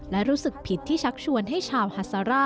และรู้สึกผิดที่ชักชวนให้ชาวฮาซาร่า